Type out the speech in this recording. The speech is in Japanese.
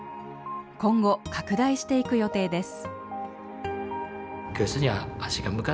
今後拡大していく予定です。